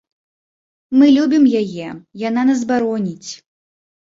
Мы любім яе, яна нас бароніць.